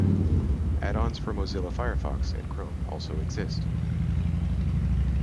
Add-ons for Mozilla Firefox and Chrome also exist.